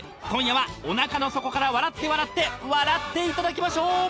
［今夜はおなかの底から笑って笑って笑っていただきましょう］